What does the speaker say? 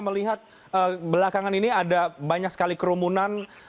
melihat belakangan ini ada banyak sekali kerumunan